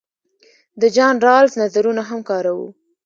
د جان رالز نظرونه هم کاروو.